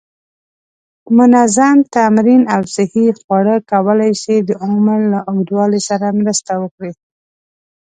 منظم تمرین او صحی خواړه کولی شي د عمر له اوږدوالي سره مرسته وکړي.